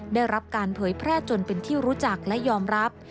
ได้รับการเผยแพร่จนเป็นที่รู้จักและยอมรับ